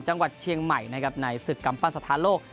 จังหวัดเชียงใหม่นะครับในศึกกำปั้นสถานโลก